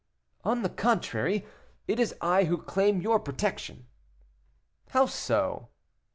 "On the contrary, it is I who claim your protection." "How so?"